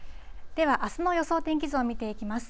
では、あすの予想天気図を見ていきます。